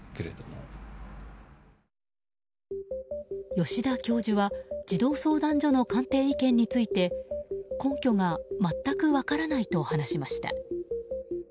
吉田教授は児童相談所の鑑定意見について根拠が全く分からないと話しました。